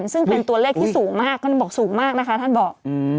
ซึ่งเป็นตัวเลขที่สูงมากท่านบอกสูงมากนะคะท่านบอก